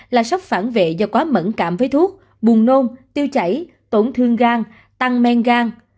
là sốc phản vệ do quá mẫn cảm với thuốc buồn nôn tiêu chảy tổn thương gan tăng men gan